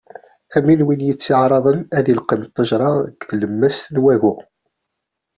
Am win yetteɛraḍen ad ileqqem ttejra deg tlemmast n wagu.